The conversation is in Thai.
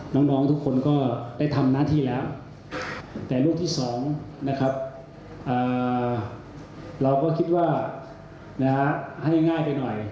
น้องทุกคนก็ได้ทำหน้าทีแล้วแต่ลูก๒เราให้ง่ายไปหน่อย